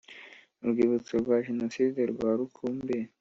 Urwibutso rwa Jenoside rwa Rukumberi.